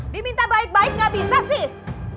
diminta baik baik gak bisa sih